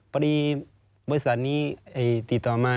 บริษัทนี้ติดต่อมา